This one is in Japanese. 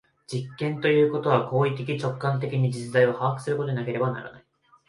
実験ということは行為的直観的に実在を把握することでなければならない。